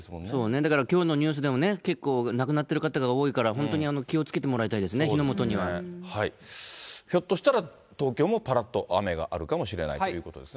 だからきょうのニュースでも結構亡くなってる方が多いから、本当に気をつけてもらいたいですね、火の元ひょっとしたら、東京もぱらっと雨があるかもしれないということですね。